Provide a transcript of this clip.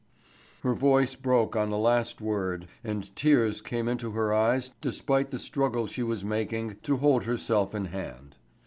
Her voice broke on the last word and tears came into her eyes despite the struggle she was making to hold herself in hand.